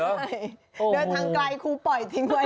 เดินทางไกลคุณปล่อยทิ้งไว้เลยนะ